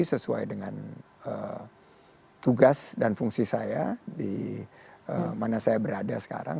sesuai dengan tugas dan fungsi saya di mana saya berada sekarang